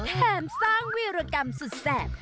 แถมสร้างวีรกรรมสุดแสบ